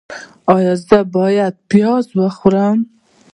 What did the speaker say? ایا زه باید پیاز وخورم؟